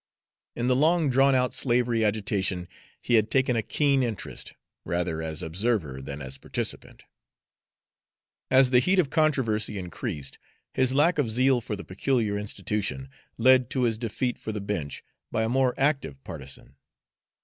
In the long drawn out slavery agitation he had taken a keen interest, rather as observer than as participant. As the heat of controversy increased, his lack of zeal for the peculiar institution led to his defeat for the bench by a more active partisan.